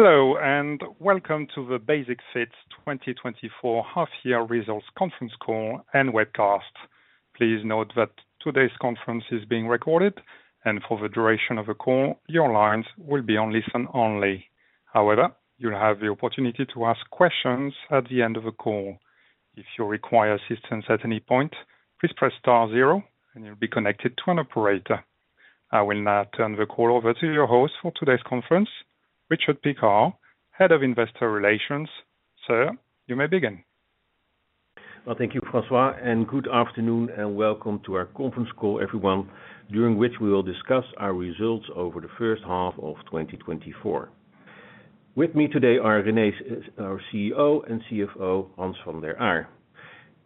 Hello, and welcome to the Basic-Fit’s 2024 half year results conference call and webcast. Please note that today’s conference is being recorded, and for the duration of the call, your lines will be on listen only. However, you’ll have the opportunity to ask questions at the end of the call. If you require assistance at any point, please press star zero and you’ll be connected to an operator. I will now turn the call over to your host for today’s conference, Richard Piekaar, Head of Investor Relations. Sir, you may begin. Well, thank you, François, and good afternoon and welcome to our conference call everyone, during which we will discuss our results over the first half of 2024. With me today are René, our CEO, and CFO, Hans van der Aar.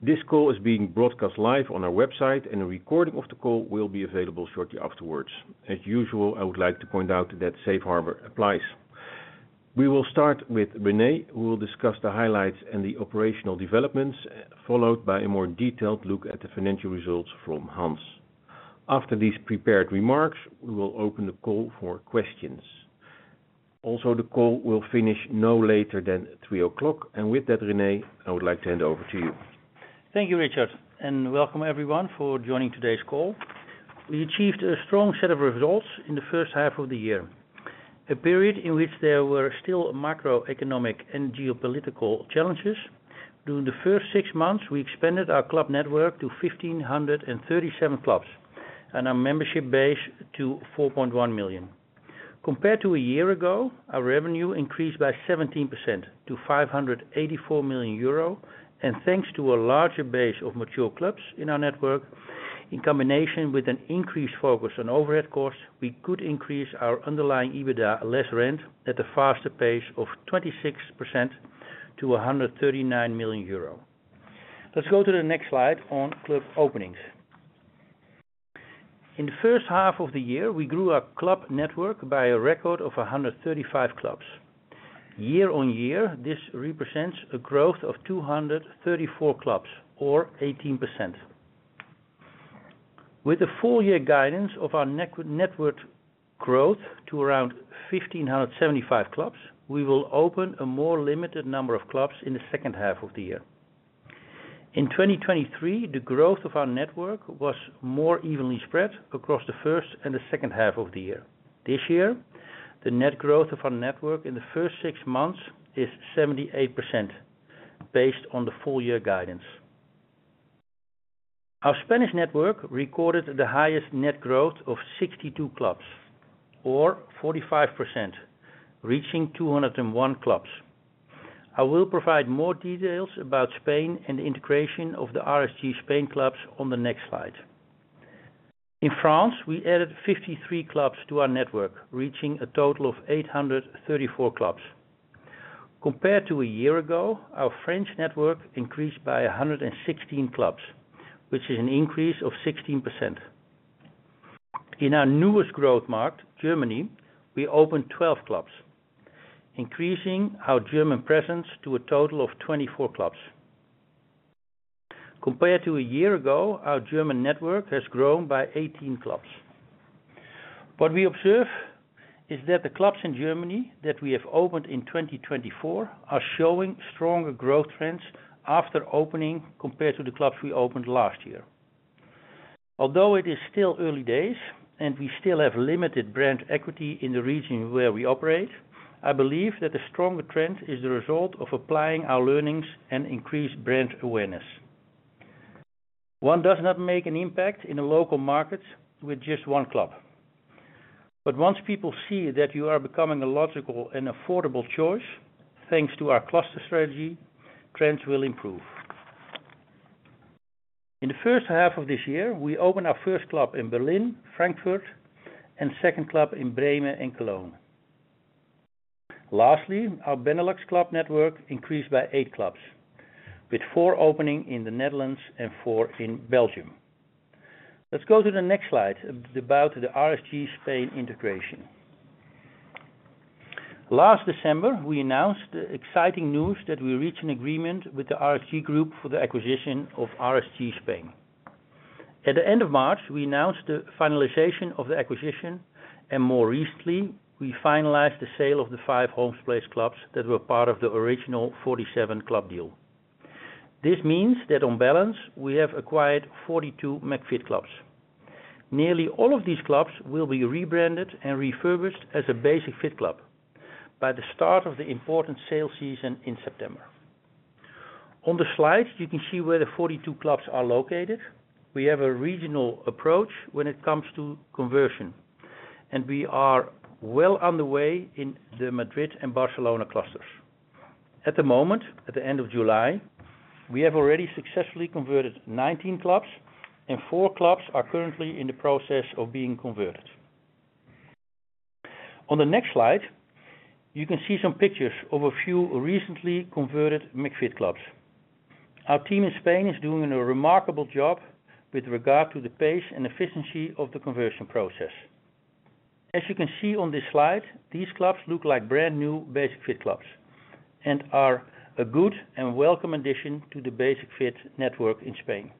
This call is being broadcast live on our website, and a recording of the call will be available shortly afterwards. As usual, I would like to point out that Safe Harbor applies. We will start with René, who will discuss the highlights and the operational developments, followed by a more detailed look at the financial results from Hans. After these prepared remarks, we will open the call for questions. Also, the call will finish no later than 3:00 P.M. And with that, René, I would like to hand over to you. Thank you, Richard, and welcome everyone for joining today's call. We achieved a strong set of results in the first half of the year. A period in which there were still macroeconomic and geopolitical challenges. During the first six months, we expanded our club network to 1,537 clubs, and our membership base to 4.1 million. Compared to a year ago, our revenue increased by 17% to 584 million euro, and thanks to a larger base of mature clubs in our network, in combination with an increased focus on overhead costs, we could increase our underlying EBITDA, less rent, at a faster pace of 26% to 139 million euro. Let's go to the next slide on club openings. In the first half of the year, we grew our club network by a record of 135 clubs. Year on year, this represents a growth of 234 clubs or 18%. With a full year guidance of our net network growth to around 1,575 clubs, we will open a more limited number of clubs in the second half of the year. In 2023, the growth of our network was more evenly spread across the first and the second half of the year. This year, the net growth of our network in the first six months is 78%, based on the full year guidance. Our Spanish network recorded the highest net growth of 62 clubs or 45%, reaching 201 clubs. I will provide more details about Spain and the integration of the RSG Spain clubs on the next slide. In France, we added 53 clubs to our network, reaching a total of 834 clubs. Compared to a year ago, our French network increased by 116 clubs, which is an increase of 16%. In our newest growth market, Germany, we opened 12 clubs, increasing our German presence to a total of 24 clubs. Compared to a year ago, our German network has grown by 18 clubs. What we observe is that the clubs in Germany that we have opened in 2024 are showing stronger growth trends after opening, compared to the clubs we opened last year. Although it is still early days and we still have limited brand equity in the region where we operate, I believe that the stronger trend is the result of applying our learnings and increased brand awareness. One does not make an impact in a local market with just one club. But once people see that you are becoming a logical and affordable choice, thanks to our cluster strategy, trends will improve. In the first half of this year, we opened our first club in Berlin, Frankfurt, and second club in Bremen and Cologne. Lastly, our Benelux club network increased by eight clubs, with four opening in the Netherlands and four in Belgium. Let's go to the next slide, about the RSG Spain integration. Last December, we announced the exciting news that we reached an agreement with the RSG Group for the acquisition of RSG Spain. At the end of March, we announced the finalization of the acquisition, and more recently, we finalized the sale of the five Holmes Place clubs that were part of the original 47 club deal. This means that on balance, we have acquired 42 McFIT clubs. Nearly all of these clubs will be rebranded and refurbished as a Basic-Fit club by the start of the important sale season in September. On the slide, you can see where the 42 clubs are located. We have a regional approach when it comes to conversion, and we are well on the way in the Madrid and Barcelona clusters. At the moment, at the end of July, we have already successfully converted 19 clubs, and four clubs are currently in the process of being converted. On the next slide, you can see some pictures of a few recently converted McFIT clubs. Our team in Spain is doing a remarkable job with regard to the pace and efficiency of the conversion process. As you can see on this slide, these clubs look like brand new Basic-Fit clubs and are a good and welcome addition to the Basic-Fit network in Spain.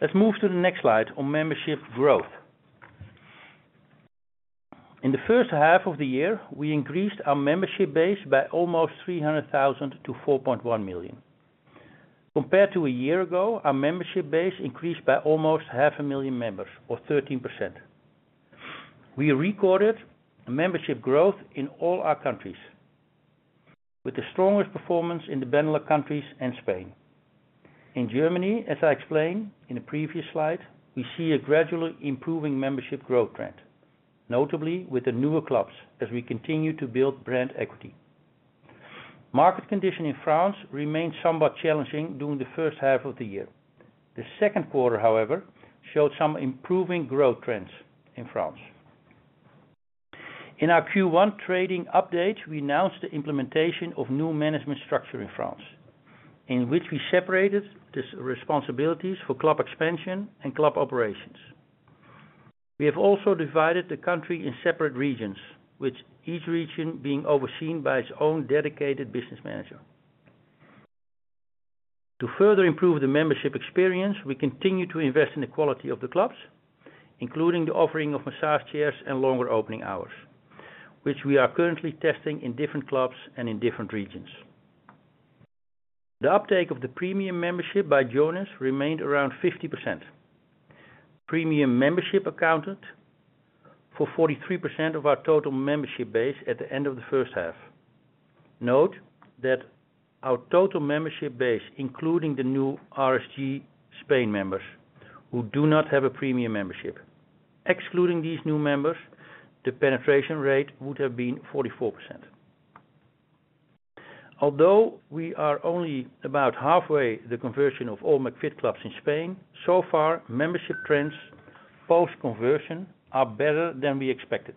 Let's move to the next slide on membership growth. In the first half of the year, we increased our membership base by almost 300,000 to 4.1 million. Compared to a year ago, our membership base increased by almost 500,000 members, or 13%. We recorded a membership growth in all our countries, with the strongest performance in the Benelux countries and Spain. In Germany, as I explained in the previous slide, we see a gradually improving membership growth trend, notably with the newer clubs, as we continue to build brand equity. Market condition in France remains somewhat challenging during the first half of the year. The second quarter, however, showed some improving growth trends in France. In our Q1 trading update, we announced the implementation of new management structure in France, in which we separated the responsibilities for club expansion and club operations. We have also divided the country in separate regions, with each region being overseen by its own dedicated business manager. To further improve the membership experience, we continue to invest in the quality of the clubs, including the offering of massage chairs and longer opening hours, which we are currently testing in different clubs and in different regions. The uptake of the premium membership by joiners remained around 50%. Premium membership accounted for 43% of our total membership base at the end of the first half. Note that our total membership base, including the new RSG Spain members, who do not have a Premium membership. Excluding these new members, the penetration rate would have been 44%. Although we are only about halfway the conversion of all McFIT clubs in Spain, so far, membership trends post-conversion are better than we expected.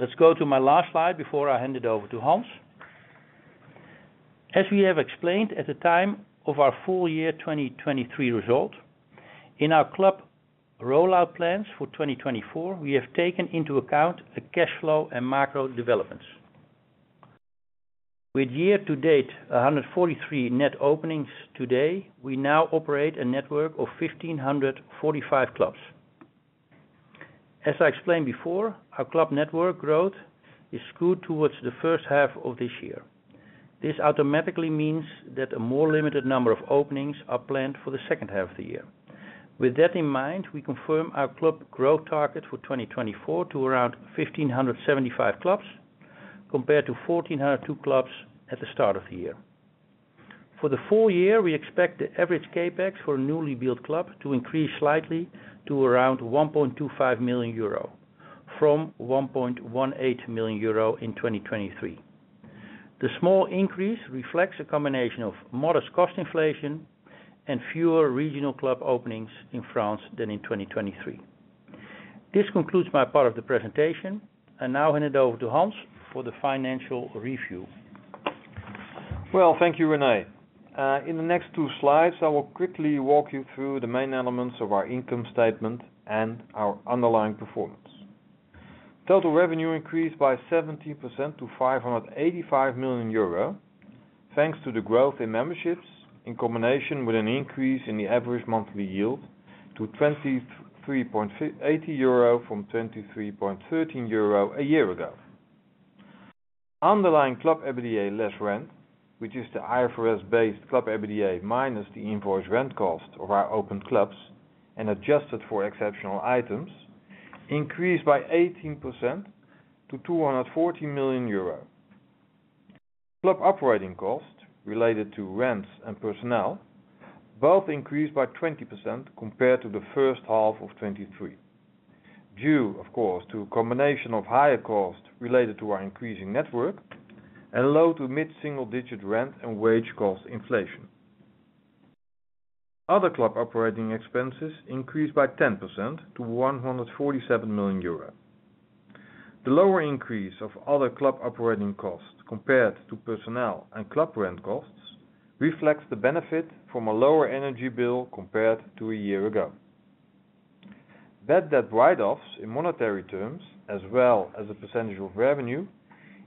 Let's go to my last slide before I hand it over to Hans. As we have explained at the time of our full year 2023 result, in our club rollout plans for 2024, we have taken into account the cash flow and macro developments. With year-to-date, 143 net openings today, we now operate a network of 1,545 clubs. As I explained before, our club network growth is skewed towards the first half of this year. This automatically means that a more limited number of openings are planned for the second half of the year. With that in mind, we confirm our club growth target for 2024 to around 1,575 clubs, compared to 1,402 clubs at the start of the year. For the full year, we expect the average CapEx for a newly built club to increase slightly to around 1.25 million euro, from 1.18 million euro in 2023. The small increase reflects a combination of modest cost inflation and fewer regional club openings in France than in 2023. This concludes my part of the presentation. I now hand it over to Hans for the financial review. Well, thank you, René. In the next two slides, I will quickly walk you through the main elements of our income statement and our underlying performance. Total revenue increased by 17% to 585 million euro, thanks to the growth in memberships, in combination with an increase in the average monthly yield to 23.80 euro from 23.13 euro a year ago. Underlying club EBITDA less rent, which is the IFRS-based club EBITDA, minus the invoice rent cost of our open clubs and adjusted for exceptional items, increased by 18% to 240 million euro. Club operating costs related to rents and personnel both increased by 20% compared to the first half of 2023. Due, of course, to a combination of higher costs related to our increasing network and low to mid-single digit rent and wage cost inflation. Other club operating expenses increased by 10% to 147 million euro. The lower increase of other club operating costs compared to personnel and club rent costs reflects the benefit from a lower energy bill compared to a year ago. Bad debt write-offs in monetary terms, as well as a percentage of revenue,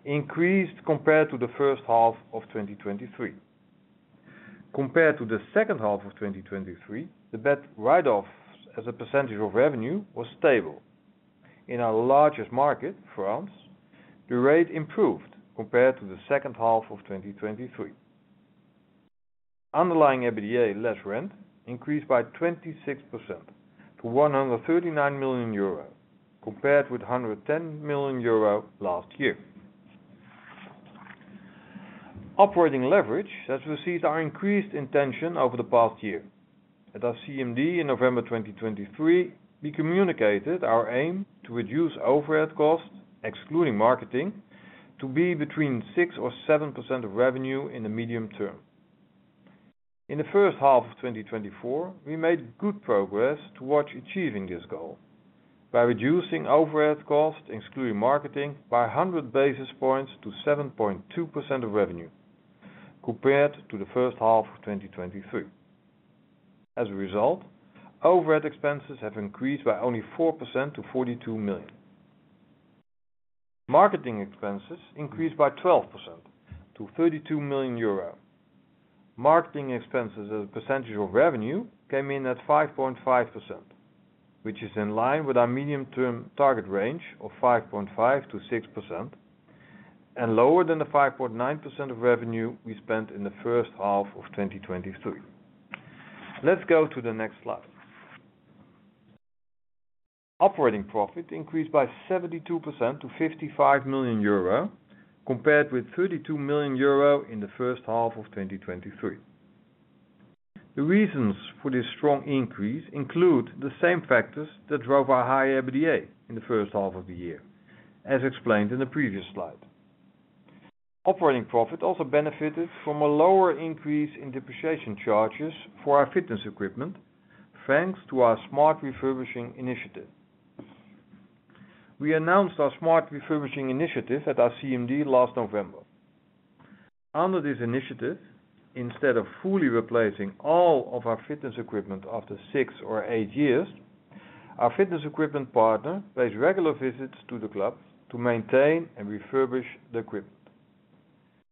increased compared to the first half of 2023. Compared to the second half of 2023, the bad write-offs as a percentage of revenue, was stable. In our largest market, France, the rate improved compared to the second half of 2023. Underlying EBITDA, less rent, increased by 26% to 139 million euro, compared with 110 million euro last year. Operating leverage, as we see, are increased in tension over the past year. At our CMD in November 2023, we communicated our aim to reduce overhead costs, excluding marketing, to be between 6% or 7% of revenue in the medium term. In the first half of 2024, we made good progress towards achieving this goal by reducing overhead costs, excluding marketing, by 100 basis points to 7.2% of revenue, compared to the first half of 2023. As a result, overhead expenses have increased by only 4% to 42 million. Marketing expenses increased by 12% to 32 million euro. Marketing expenses as a percentage of revenue came in at 5.5%, which is in line with our medium-term target range of 5.5%-6%, and lower than the 5.9% of revenue we spent in the first half of 2023. Let's go to the next slide. Operating profit increased by 72% to 55 million euro, compared with 32 million euro in the first half of 2023. The reasons for this strong increase include the same factors that drove our high EBITDA in the first half of the year, as explained in the previous slide. Operating profit also benefited from a lower increase in depreciation charges for our fitness equipment, thanks to our smart refurbishing initiative. We announced our smart refurbishing initiative at our CMD last November. Under this initiative, instead of fully replacing all of our fitness equipment after five or eight years, our fitness equipment partner pays regular visits to the clubs to maintain and refurbish the equipment.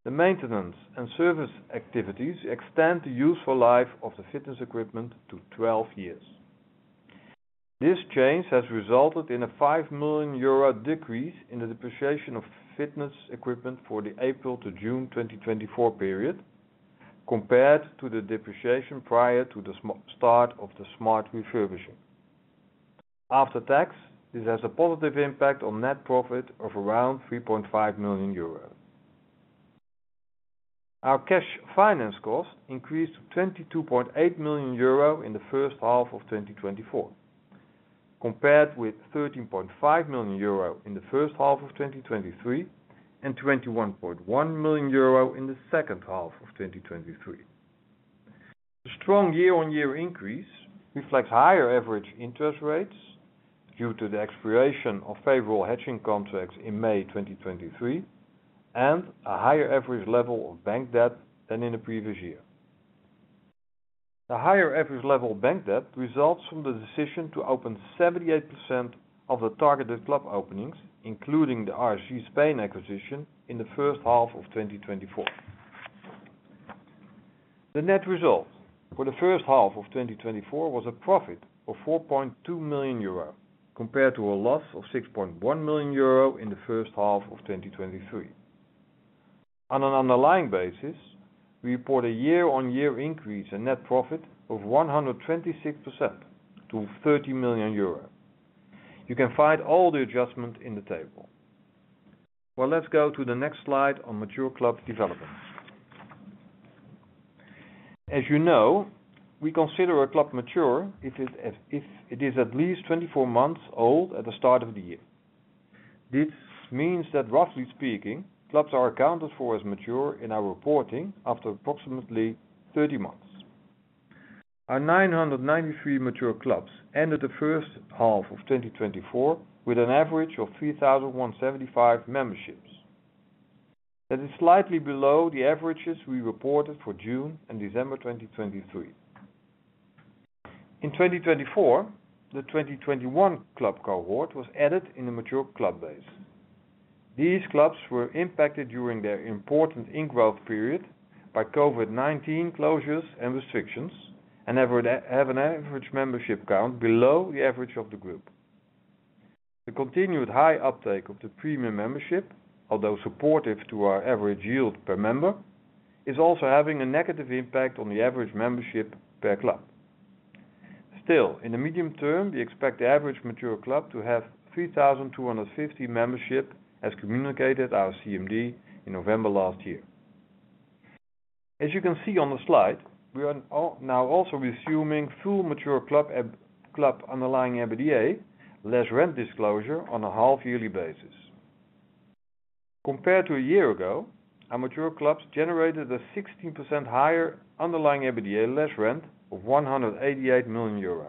The maintenance and service activities extend the useful life of the fitness equipment to 12 years. This change has resulted in a 5 million euro decrease in the depreciation of fitness equipment for the April to June 2024 period, compared to the depreciation prior to the start of the smart refurbishing. After tax, this has a positive impact on net profit of around 3.5 million euros. Our cash finance cost increased to 22.8 million euro in the first half of 2024, compared with 13.5 million euro in the first half of 2023, and 21.1 million euro in the second half of 2023. The strong year-on-year increase reflects higher average interest rates due to the expiration of favorable hedging contracts in May 2023, and a higher average level of bank debt than in the previous year. The higher average level of bank debt results from the decision to open 78% of the targeted club openings, including the RSG Spain acquisition, in the first half of 2024. The net result for the first half of 2024 was a profit of 4.2 million euro, compared to a loss of 6.1 million euro in the first half of 2023. On an underlying basis, we report a year-on-year increase in net profit of 126% to 30 million euro. You can find all the adjustments in the table. Well, let's go to the next slide on mature club developments. As you know, we consider a club mature if it is at least 24 months old at the start of the year. This means that, roughly speaking, clubs are accounted for as mature in our reporting after approximately 30 months. Our 993 mature clubs ended the first half of 2024 with an average of 3,075 memberships. That is slightly below the averages we reported for June and December 2023. In 2024, the 2021 club cohort was added in the mature club base. These clubs were impacted during their important in-growth period by COVID-19 closures and restrictions, and have an average membership count below the average of the group. The continued high uptake of the premium membership, although supportive to our average yield per member, is also having a negative impact on the average membership per club. Still, in the medium term, we expect the average mature club to have 3,250 membership, as communicated at our CMD in November last year. As you can see on the slide, we are now also assuming full mature club underlying EBITDA less rent disclosure on a half-yearly basis. Compared to a year ago, our mature clubs generated a 16% higher underlying EBITDA less rent of 188 million euro.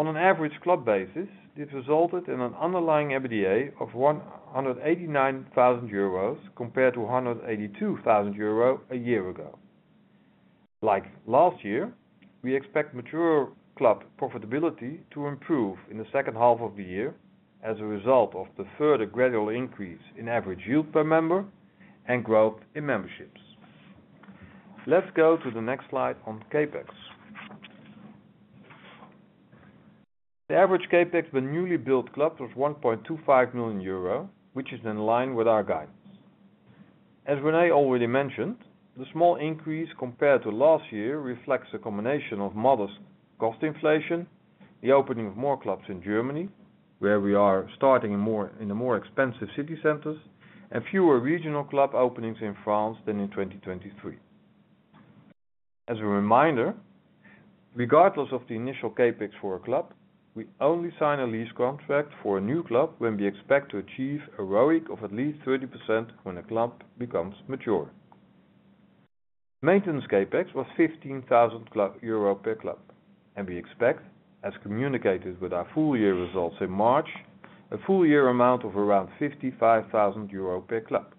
On an average club basis, this resulted in an underlying EBITDA of 189,000 euros, compared to 182,000 euros a year ago. Like last year, we expect mature club profitability to improve in the second half of the year as a result of the further gradual increase in average yield per member and growth in memberships. Let's go to the next slide on CapEx. The average CapEx with newly built clubs was 1.25 million euro, which is in line with our guidance. As René already mentioned, the small increase compared to last year reflects a combination of modest cost inflation, the opening of more clubs in Germany, where we are starting in the more expensive city centers, and fewer regional club openings in France than in 2023. As a reminder, regardless of the initial CapEx for a club, we only sign a lease contract for a new club when we expect to achieve a ROIC of at least 30% when a club becomes mature. Maintenance CapEx was 15,000 euro per club, and we expect, as communicated with our full year results in March, a full year amount of around 55,000 euro per club.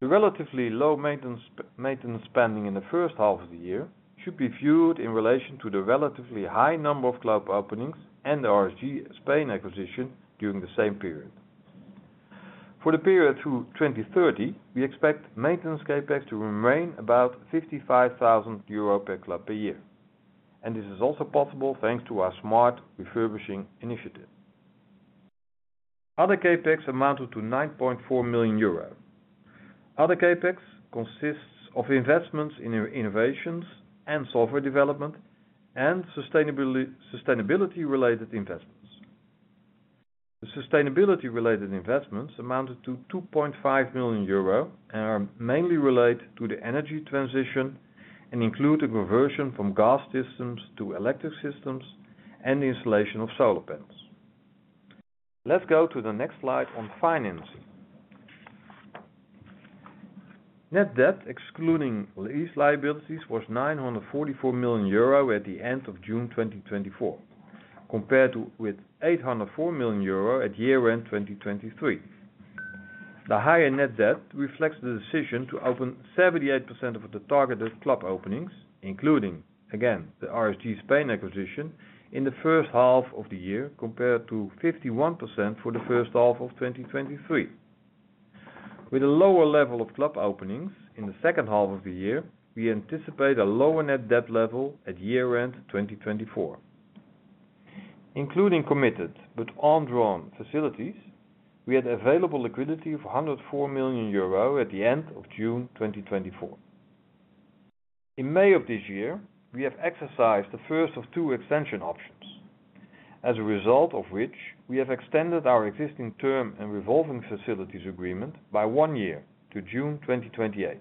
The relatively low maintenance spending in the first half of the year should be viewed in relation to the relatively high number of club openings and the RSG Spain acquisition during the same period. For the period through 2030, we expect maintenance CapEx to remain about 55,000 euro per club per year, and this is also possible thanks to our smart refurbishing initiative. Other CapEx amounted to 9.4 million euro. Other CapEx consists of investments in innovations and software development, and sustainability-related investments. The sustainability-related investments amounted to 2.5 million euro, and are mainly related to the energy transition, and include the conversion from gas systems to electric systems and the installation of solar panels. Let's go to the next slide on financing. Net debt, excluding lease liabilities, was 944 million euro at the end of June 2024, compared with 804 million euro at year-end 2023. The higher net debt reflects the decision to open 78% of the targeted club openings, including, again, the RSG Spain acquisition, in the first half of the year, compared to 51% for the first half of 2023. With a lower level of club openings in the second half of the year, we anticipate a lower net debt level at year-end 2024. Including committed, but undrawn facilities, we had available liquidity of 104 million euro at the end of June 2024. In May of this year, we have exercised the first of two extension options, as a result of which we have extended our existing term and revolving facilities agreement by one year to June 2028.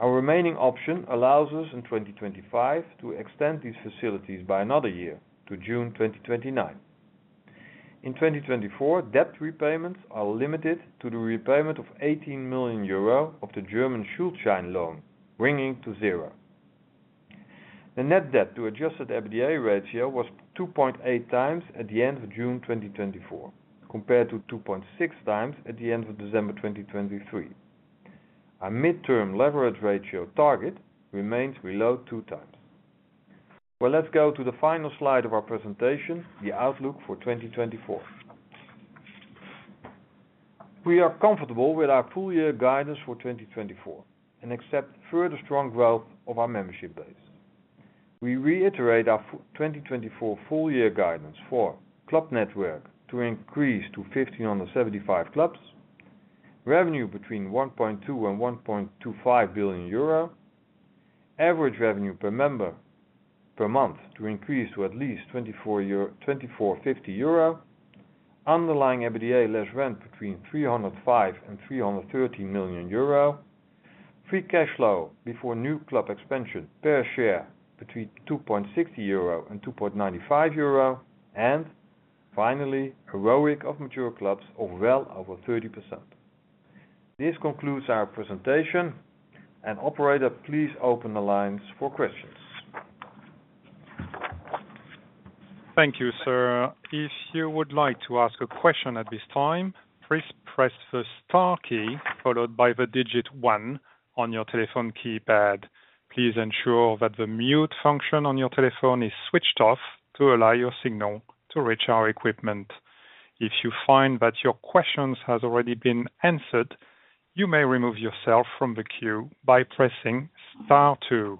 Our remaining option allows us, in 2025, to extend these facilities by another year to June 2029. In 2024, debt repayments are limited to the repayment of 18 million euro of the German Schuldschein loan, bringing to zero. The net debt to adjusted EBITDA ratio was 2.8x at the end of June 2024, compared to 2.6x at the end of December 2023. Our midterm leverage ratio target remains below 2x. Well, let's go to the final slide of our presentation, the outlook for 2024. We are comfortable with our full year guidance for 2024 and expect further strong growth of our membership base. We reiterate our 2024 full year guidance for club network to increase to 1,575 clubs. Revenue between 1.2 billion and 1.25 billion euro. Average revenue per member per month to increase to at least 24.50 euro. Underlying EBITDA less rent between 305 million and 330 million euro. Free cash flow before new club expansion per share between 2.60 euro and 2.95 euro. And finally, ROIC of mature clubs of well over 30%. This concludes our presentation. And operator, please open the lines for questions. Thank you, sir. If you would like to ask a question at this time, please press the star key followed by the digit one on your telephone keypad. Please ensure that the mute function on your telephone is switched off to allow your signal to reach our equipment. If you find that your question has already been answered, you may remove yourself from the queue by pressing star two.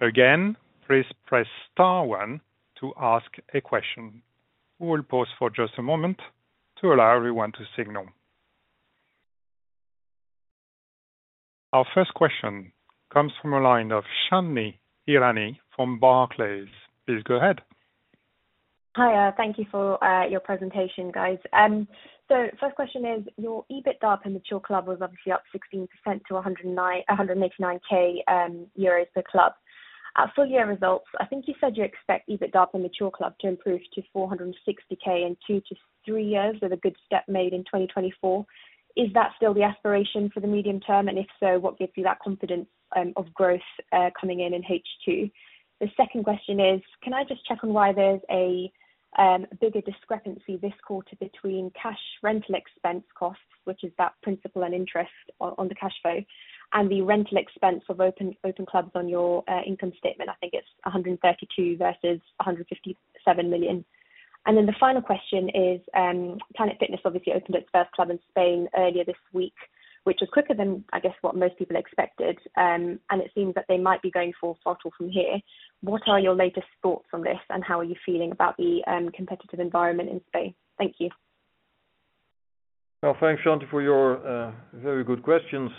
Again, please press star one to ask a question. We will pause for just a moment to allow everyone to signal. Our first question comes from a line of Chandni Hirani from Barclays. Please go ahead. Hi, thank you for your presentation, guys. So first question is, your EBITDA in mature club was obviously up 16% to 199,000 euros per club. At full year results, I think you said you expect EBITDA in mature club to improve to 460,000 in two to three years, with a good step made in 2024. Is that still the aspiration for the medium term? And if so, what gives you that confidence of growth coming in in H2? The second question is, can I just check on why there's a bigger discrepancy this quarter between cash rental expense costs, which is that principal and interest on the cash flow, and the rental expense of open clubs on your income statement? I think it's 132 million versus 157 million. And then the final question is, Planet Fitness obviously opened its first club in Spain earlier this week, which was quicker than, I guess, what most people expected. And it seems that they might be going full throttle from here. What are your latest thoughts on this, and how are you feeling about the, competitive environment in Spain? Thank you. Well, thanks, Chandni, for your very good questions.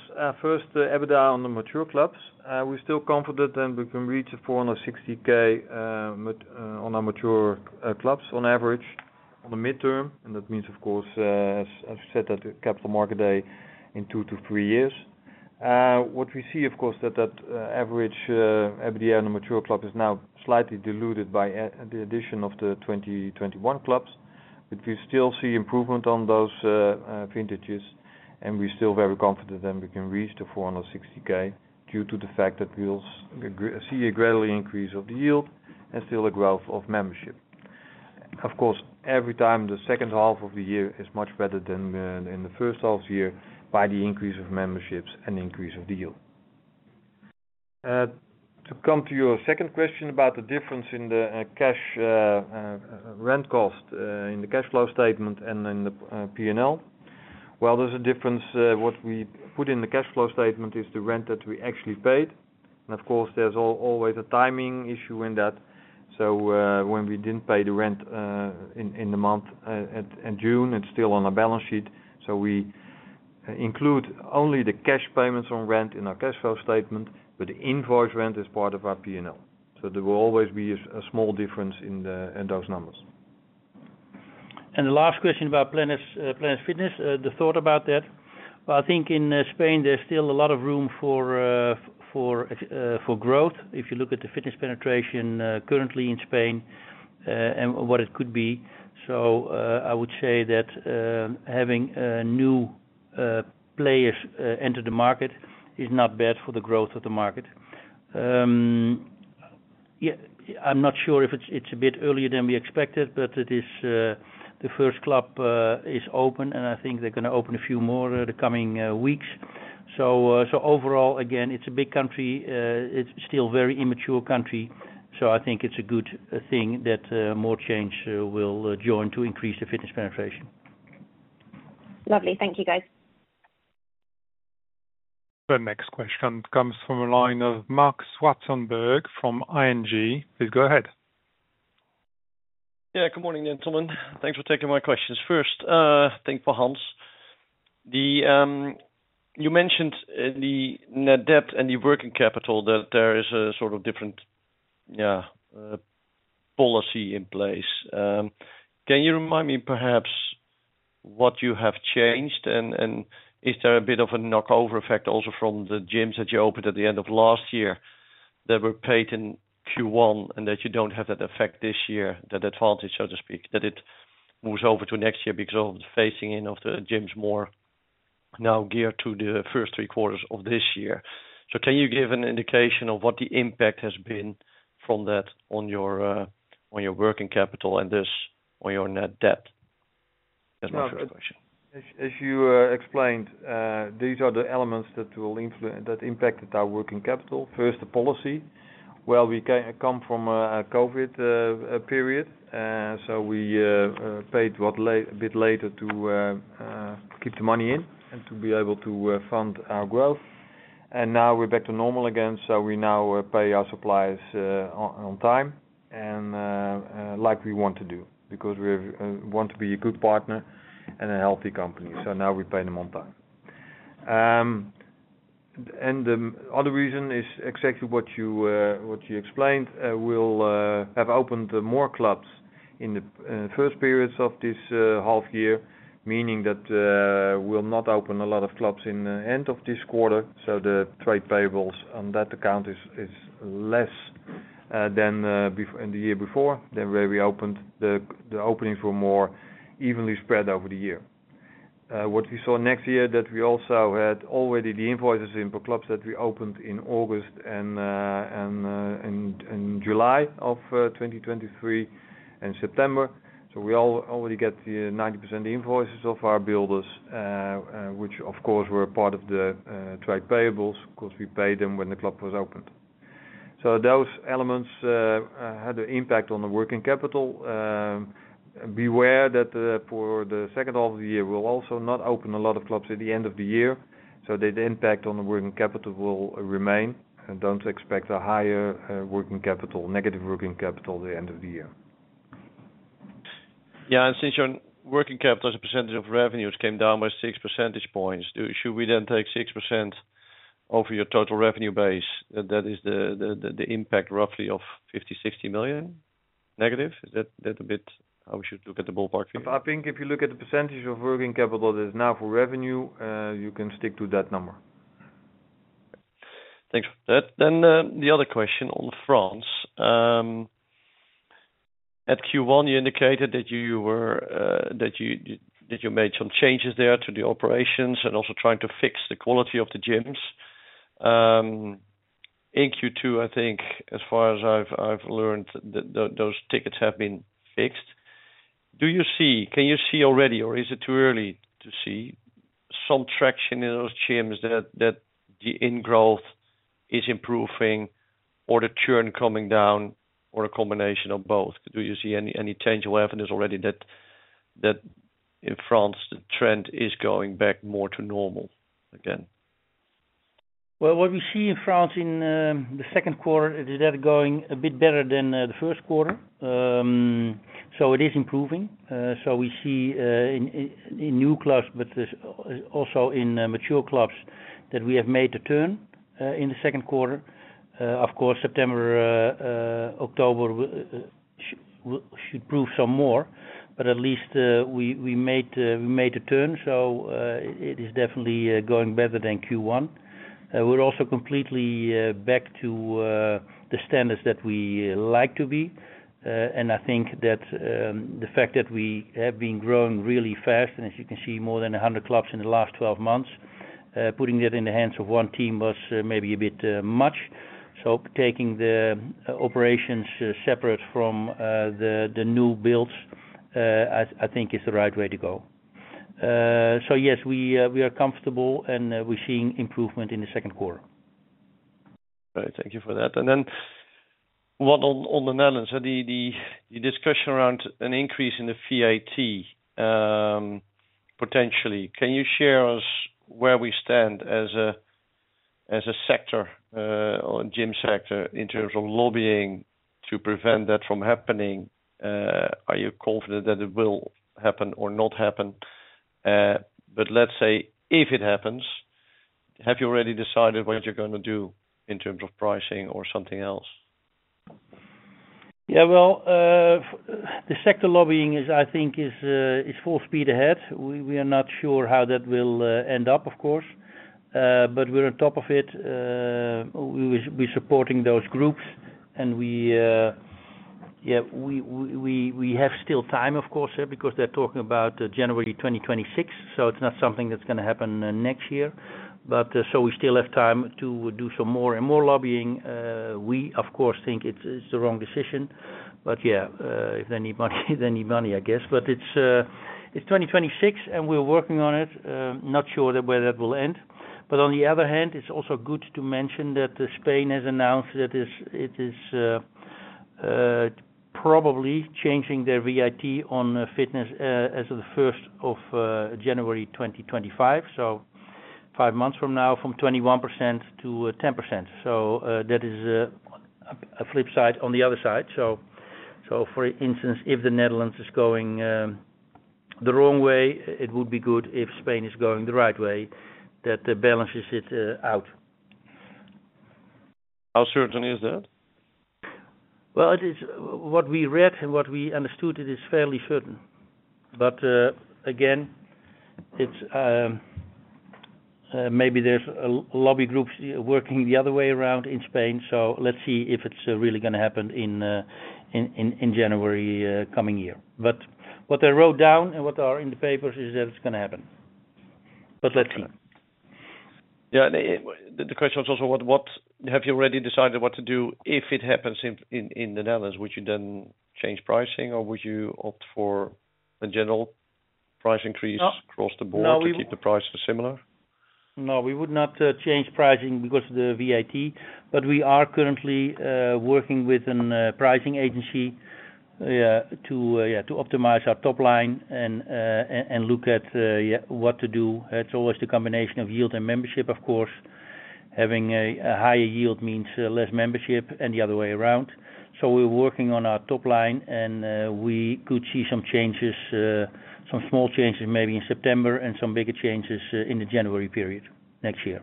First, the EBITDA on the mature clubs. We're still confident that we can reach 460,000 on our mature clubs on average on the midterm, and that means, of course, as you said, at the Capital Markets Day, in two to three years. What we see, of course, that average EBITDA on the mature club is now slightly diluted by the addition of the 2021 clubs. But we still see improvement on those, vintages, and we're still very confident that we can reach the 460,000, due to the fact that we'll see a gradually increase of the yield and still a growth of membership. Of course, every time the second half of the year is much better than in the first half year, by the increase of memberships and increase of deal. To come to your second question about the difference in the cash rent cost in the cash flow statement and then the PNL. Well, there's a difference. What we put in the cash flow statement is the rent that we actually paid, and of course, there's always a timing issue in that. So, when we didn't pay the rent in the month in June, it's still on our balance sheet. So we include only the cash payments on rent in our cash flow statement, but the invoice rent is part of our PNL. So there will always be a small difference in those numbers. And the last question about Planet Fitness, the thought about that. Well, I think in Spain, there's still a lot of room for for growth. If you look at the fitness penetration, currently in Spain, and what it could be. So, I would say that, having new players enter the market is not bad for the growth of the market. Yeah, I'm not sure if it's, it's a bit earlier than we expected, but it is, the first club is open, and I think they're gonna open a few more in the coming weeks. So, so overall, again, it's a big country, it's still very immature country, so I think it's a good thing that, more chains will join to increase the fitness penetration. Lovely. Thank you, guys. The next question comes from a line of Marc Zwartsenburg from ING. Please go ahead. Yeah. Good morning, gentlemen. Thanks for taking my questions. First, thanks to Hans. You mentioned the net debt and the working capital, that there is a sort of different policy in place. Can you remind me perhaps what you have changed? And is there a bit of a knock-on effect also from the gyms that you opened at the end of last year, that were paid in Q1, and that you don't have that effect this year, that advantage, so to speak, that it moves over to next year because of the phasing in of the gyms more now geared to the first three quarters of this year? So can you give an indication of what the impact has been from that on your working capital and on your net debt? That's my first question. As you explained, these are the elements that impacted our working capital. First, the policy, where we come from a COVID period. So we paid a bit later to keep the money in and to be able to fund our growth. And now we're back to normal again, so we now pay our suppliers on time and like we want to do, because we want to be a good partner and a healthy company. So now we pay them on time. And the other reason is exactly what you explained. We'll have opened more clubs in the first periods of this half year, meaning that we'll not open a lot of clubs in the end of this quarter. So the trade payables on that account is less than in the year before, because the openings were more evenly spread over the year. What we saw next year, that we also had already the invoices for the clubs that we opened in August and July of 2023, and September. So we already get the 90% invoices of our builders, which of course were part of the trade payables, because we paid them when the club was opened. So those elements had an impact on the working capital. Beware that, for the second half of the year, we'll also not open a lot of clubs at the end of the year, so the impact on the working capital will remain, and don't expect a higher, working capital, negative working capital at the end of the year. Yeah, and since your working capital as a percentage of revenues came down by six percentage points, should we then take 6% of your total revenue base? That is the impact roughly of 50-60 million, negative? Is that a bit how we should look at the ballpark figure? I think if you look at the percentage of working capital that is now for revenue, you can stick to that number. Thanks for that. Then, the other question on France. At Q1, you indicated that you made some changes there to the operations and also trying to fix the quality of the gyms. In Q2, I think, as far as I've learned, those tickets have been fixed. Do you see... Can you see already, or is it too early to see some traction in those gyms that the in-growth is improving or the churn coming down or a combination of both? Do you see any tangible evidence already that in France, the trend is going back more to normal again? Well, what we see in France in the second quarter is that going a bit better than the first quarter. So it is improving. So we see in new clubs, but this also in mature clubs, that we have made the turn in the second quarter. Of course, September, October will should prove some more, but at least we made a turn, so it is definitely going better than Q1. We're also completely back to the standards that we like to be. And I think that the fact that we have been growing really fast, and as you can see, more than 100 clubs in the last 12 months putting it in the hands of one team was maybe a bit much. So taking the operations separate from the new builds, I think is the right way to go. So yes, we are comfortable, and we're seeing improvement in the second quarter. All right, thank you for that. And then what on the Netherlands, so the discussion around an increase in the VAT, potentially, can you share us where we stand as a sector on gym sector, in terms of lobbying to prevent that from happening? Are you confident that it will happen or not happen? But let's say, if it happens, have you already decided what you're gonna do in terms of pricing or something else? Yeah, well, the sector lobbying is, I think, full speed ahead. We are not sure how that will end up, of course. But we're on top of it. We supporting those groups, and yeah, we have still time, of course, yeah, because they're talking about January 2026. So it's not something that's gonna happen next year. So we still have time to do some more and more lobbying. We of course think it's the wrong decision, but yeah, if they need money, they need money, I guess. But it's 2026, and we're working on it. Not sure where that will end. But on the other hand, it's also good to mention that Spain has announced that is, it is, probably changing their VAT on, fitness, as of the first of, January 2025. So five months from now, from 21%-10%. So, that is, a flip side on the other side. So, so for instance, if the Netherlands is going, the wrong way, it would be good if Spain is going the right way, that balances it, out. How certain is that? Well, it is what we read and what we understood. It is fairly certain. But again, it's maybe there's lobby groups working the other way around in Spain, so let's see if it's really gonna happen in January coming year. But what I wrote down and what are in the papers is that it's gonna happen. But let's see. Yeah, the question was also what... Have you already decided what to do if it happens in the Netherlands? Would you then change pricing, or would you opt for a general price increase- No. across the board No, we- to keep the prices similar? No, we would not change pricing because of the VAT, but we are currently working with an pricing agency to optimize our top line and, and look at what to do. It's always the combination of yield and membership, of course. Having a higher yield means less membership and the other way around. So we're working on our top line, and we could see some changes, some small changes, maybe in September, and some bigger changes in the January period next year.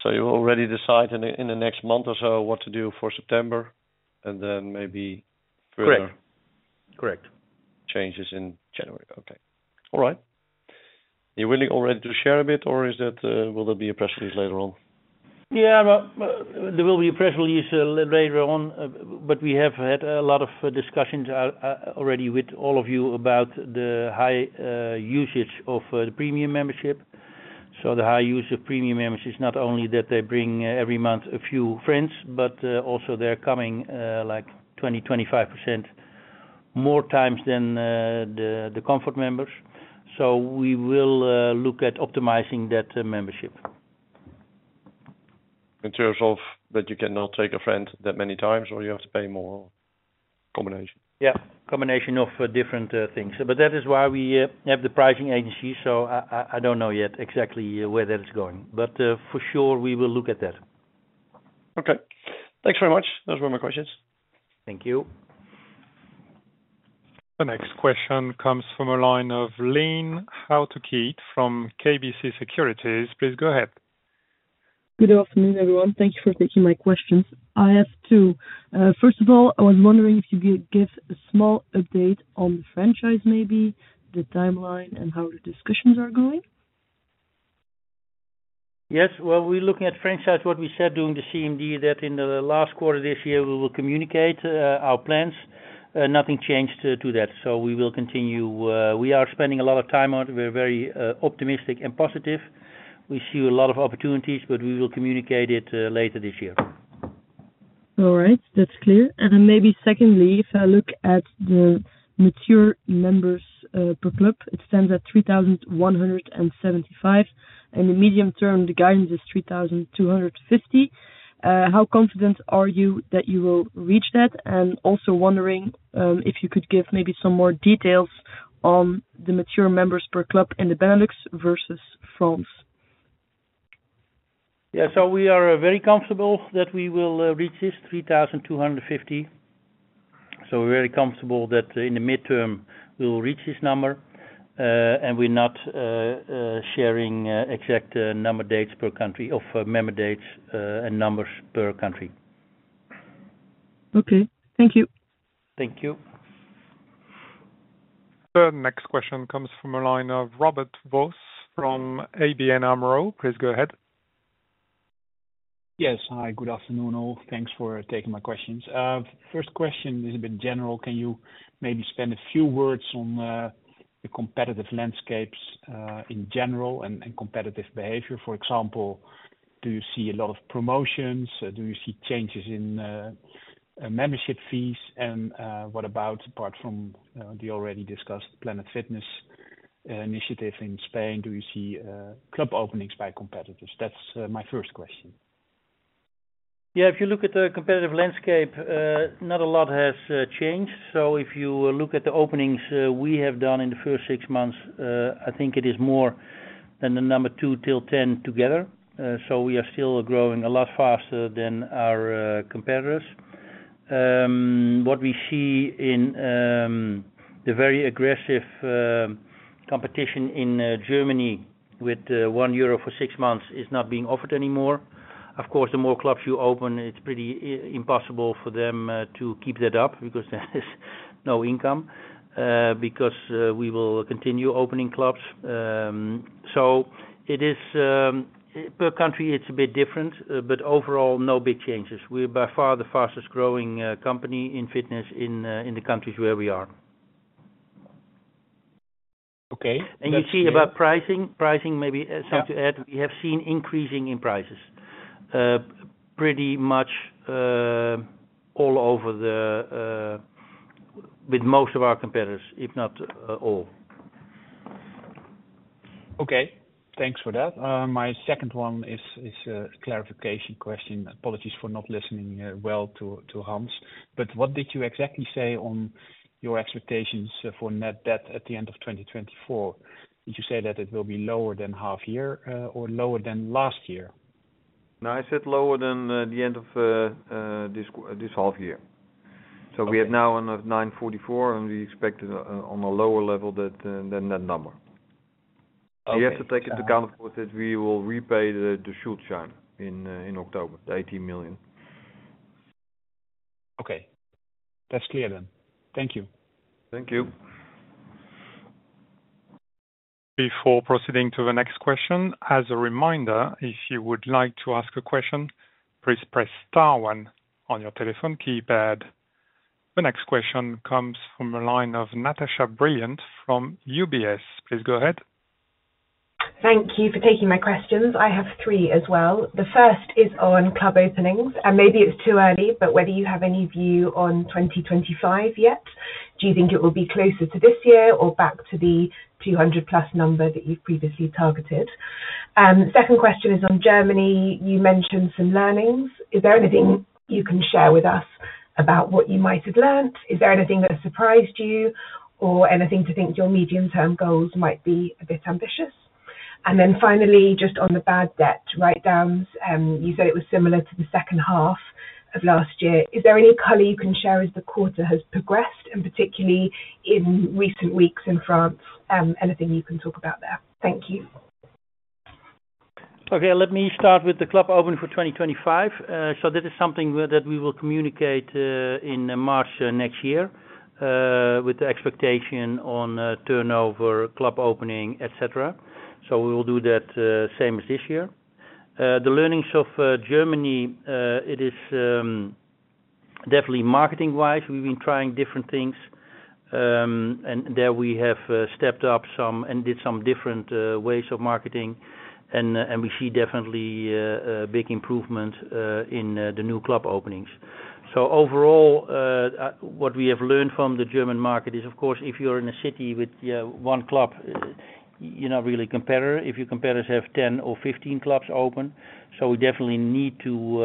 So you already decide in the next month or so, what to do for September, and then maybe further- Correct. Correct. Changes in January. Okay. All right. You're willing already to share a bit, or is that, will there be a press release later on? Yeah, well, there will be a press release later on. But we have had a lot of discussions already with all of you about the high usage of the Premium membership. So the high use of Premium members is not only that they bring every month a few friends, but also they're coming like 20-25% more times than the Comfort members. So we will look at optimizing that membership. In terms of that you cannot take a friend that many times, or you have to pay more, combination? Yeah, combination of different things. But that is why we have the pricing agency, so I don't know yet exactly where that is going. But, for sure, we will look at that. Okay. Thanks very much. Those were my questions. Thank you. The next question comes from a line of Lynn Hautekeete from KBC Securities. Please go ahead. Good afternoon, everyone. Thank you for taking my questions. I have two. First of all, I was wondering if you could give a small update on the franchise, maybe the timeline and how the discussions are going? Yes. Well, we're looking at franchise, what we said during the CMD, that in the last quarter of this year, we will communicate our plans. Nothing changed to that, so we will continue. We are spending a lot of time on it. We're very optimistic and positive. We see a lot of opportunities, but we will communicate it later this year. All right, that's clear. Then maybe secondly, if I look at the mature members per club, it stands at 3,175, and the medium term, the guidance is 3,250. How confident are you that you will reach that? Also wondering, if you could give maybe some more details on the mature members per club in the Benelux versus France. Yeah, so we are very comfortable that we will reach this 3,250. So we're very comfortable that in the midterm, we will reach this number, and we're not sharing exact number dates per country or member dates, and numbers per country. Okay. Thank you. Thank you. The next question comes from a line of Robert Vos from ABN AMRO. Please go ahead. ... Yes. Hi, good afternoon, all. Thanks for taking my questions. First question is a bit general. Can you maybe spend a few words on the competitive landscapes in general, and competitive behavior? For example, do you see a lot of promotions? Do you see changes in membership fees? And what about, apart from the already discussed Planet Fitness initiative in Spain, do you see club openings by competitors? That's my first question. Yeah, if you look at the competitive landscape, not a lot has changed. So if you look at the openings, we have done in the first six months, I think it is more than the number two to 10 together. So we are still growing a lot faster than our competitors. What we see in the very aggressive competition in Germany with 1 euro for six months is not being offered anymore. Of course, the more clubs you open, it's pretty impossible for them to keep that up because there is no income because we will continue opening clubs. So it is per country, it's a bit different, but overall, no big changes. We're by far the fastest growing company in fitness in the countries where we are. Okay. And you see about pricing, pricing may be- Yeah something to add. We have seen increasing in prices, pretty much, all over the, with most of our competitors, if not, all. Okay, thanks for that. My second one is a clarification question. Apologies for not listening well to Hans, but what did you exactly say on your expectations for net debt at the end of 2024? Did you say that it will be lower than half year, or lower than last year? No, I said lower than the end of this half year. Okay. We have now 944, and we expect on a lower level that than that number. Okay. You have to take into account, of course, that we will repay the Schuldschein in October, the 80 million. Okay. That's clear, then. Thank you. Thank you. Before proceeding to the next question, as a reminder, if you would like to ask a question, please press star one on your telephone keypad. The next question comes from the line of Natasha Brilliant from UBS. Please go ahead. Thank you for taking my questions. I have three as well. The first is on club openings, and maybe it's too early, but whether you have any view on 2025 yet? Do you think it will be closer to this year or back to the 200+ number that you've previously targeted? Second question is on Germany. You mentioned some learnings. Is there anything you can share with us about what you might have learned? Is there anything that has surprised you or anything to think your medium term goals might be a bit ambitious? And then finally, just on the bad debt write-downs, you said it was similar to the second half of last year. Is there any color you can share as the quarter has progressed, and particularly in recent weeks in France, anything you can talk about there? Thank you. Okay, let me start with the club opening for 2025. So this is something that we will communicate in March next year with the expectation on turnover, club opening, et cetera. So we will do that same as this year. The learnings of Germany, it is definitely marketing wise. We've been trying different things, and there we have stepped up some and did some different ways of marketing, and we see definitely a big improvement in the new club openings. So overall, what we have learned from the German market is, of course, if you're in a city with one club, you're not really competitor, if your competitors have 10 or 15 clubs open. So we definitely need to...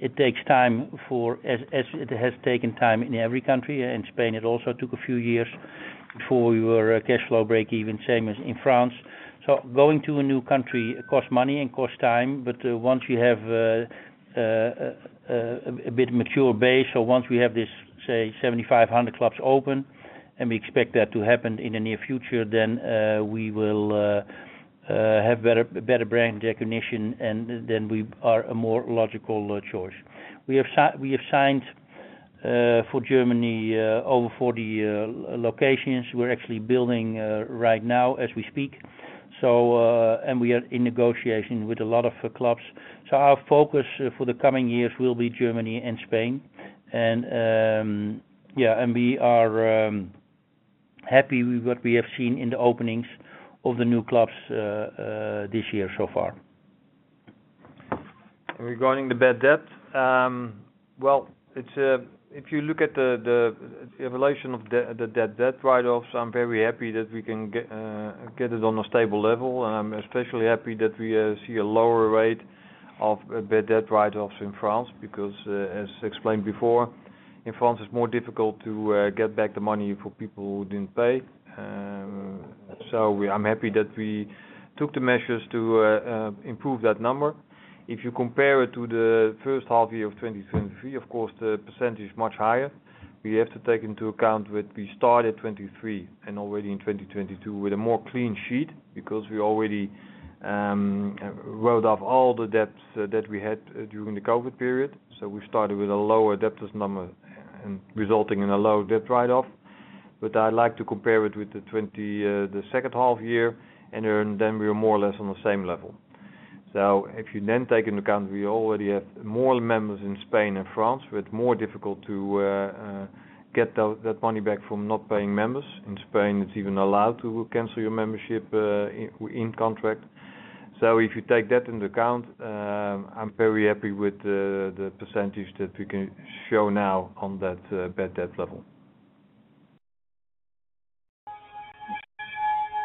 It takes time, as it has taken time in every country. In Spain, it also took a few years before we were cash flow break-even, same as in France. So going to a new country costs money and costs time, but once you have a bit mature base, so once we have this, say, 7,500 clubs open, and we expect that to happen in the near future, then we will have better brand recognition, and then we are a more logical choice. We have signed for Germany over 40 locations. We're actually building right now as we speak. So and we are in negotiation with a lot of clubs. So our focus for the coming years will be Germany and Spain.We are happy with what we have seen in the openings of the new clubs this year so far. Regarding the bad debt, well, it's if you look at the evolution of the debt write-offs, I'm very happy that we can get it on a stable level. And I'm especially happy that we see a lower rate of bad debt write-offs in France, because as explained before, in France, it's more difficult to get back the money for people who didn't pay. So I'm happy that we took the measures to improve that number. If you compare it to the first half year of 2023, of course, the percentage is much higher. We have to take into account that we started 2023 and already in 2022 with a more clean sheet, because we already wrote off all the debts that we had during the COVID period. So we started with a lower debt risk number and resulting in a lower debt write-off. But I like to compare it with the 20, the second half year, and then we are more or less on the same level. So if you then take into account, we already have more members in Spain and France, but more difficult to get that, that money back from not paying members. In Spain, it's even allowed to cancel your membership in contract. So if you take that into account, I'm very happy with the percentage that we can show now on that bad debt level.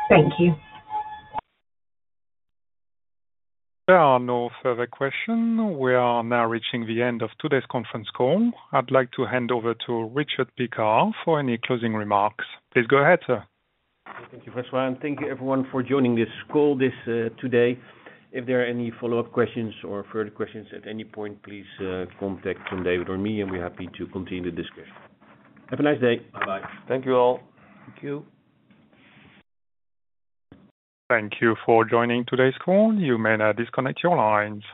Thank you. There are no further questions. We are now reaching the end of today's conference call. I'd like to hand over to Richard Piekaar for any closing remarks. Please go ahead, sir. Thank you, Francois, and thank you everyone for joining this call today. If there are any follow-up questions or further questions at any point, please contact David or me, and we're happy to continue the discussion. Have a nice day. Bye. Thank you all. Thank you. Thank you for joining today's call. You may now disconnect your lines.